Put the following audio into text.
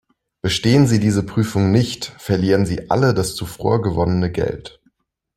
Bestehen sie diese Prüfung nicht, verlieren sie alle das zuvor gewonnene Geld.